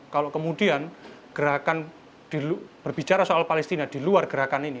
kalau kemudian gerakan berbicara soal palestina di luar gerakan ini